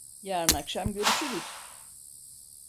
Yarın akşam görüşürüz.